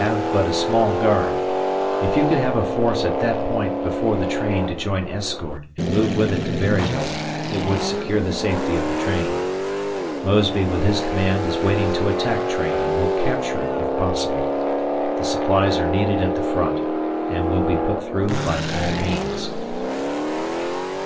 Have but a small guard. If you could have a force at that point before the train to join escort and move with it to Berryville, it would secure the safety of train. Mosby, with his command, is waiting to attack train, and will capture it, if possible. The supplies are needed at the front, and will be put through by all means.